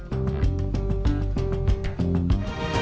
dikumpulkan dengan pembawaan pembawaan pembawaan